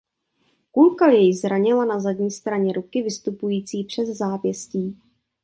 Kulka jej zranila na zadní straně ruky vystupující přes zápěstí.